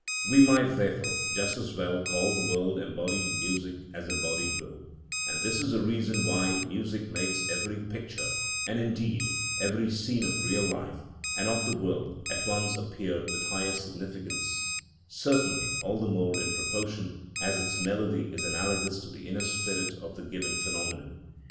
We might, therefore, just as well call the world embodied music as embodied will; and this is the reason why music makes every picture, and indeed every scene of real life and of the world, at once appear with higher significance, certainly all the more in proportion as its melody is analogous to the inner spirit of the given phenomenon.